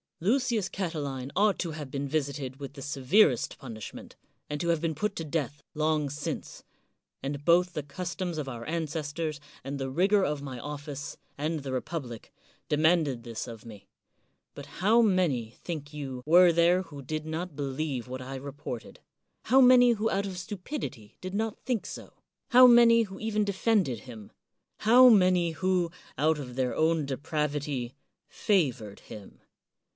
Lucius Catiline ought to have been visited with the severest punishment, and to have been put to death long since; and both the customs of our ancestors, and the rigor of my office, and the republic, demanded this of me; but how many, think you, were there who did not believe what I reported ? how many who out of stupidity did not think so ? how many who even defended him ? how many who, out of their own depravity, favored him?